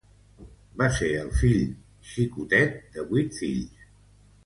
Va ser el fill xicotet de vuit fills.